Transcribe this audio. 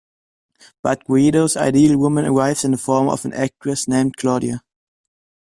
But Guido's Ideal Woman arrives in the form of an actress named Claudia.